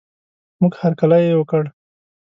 موږ هر کلی یې وکړ.